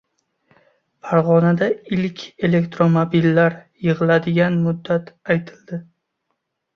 Farg‘onada ilk elektromobillar yig‘iladigan muddat aytildi